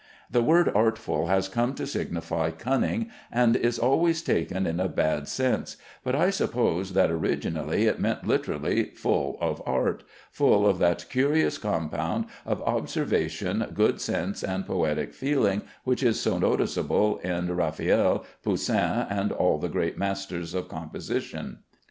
The word "artful" has come to signify cunning, and is always taken in a bad sense, but I suppose that originally it meant literally "full of art," full of that curious compound of observation, good sense, and poetic feeling which is so noticeable in Raffaelle, Poussin, and all the great masters of composition.